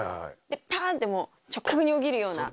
でパーンッてもう直角に起きるような。